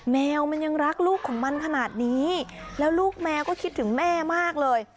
แมวมันยังรักลูกของมันขนาดนี้แล้วลูกแมวก็คิดถึงแม่มากเลย